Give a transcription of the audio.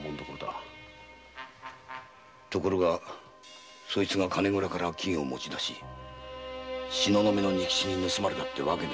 ところがそいつが金蔵から金を持ち出し東雲の仁吉に盗まれたってわけのようですね。